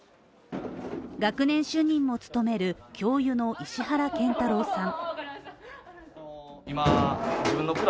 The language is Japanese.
学年主任も務める教諭の石原健太郎さん。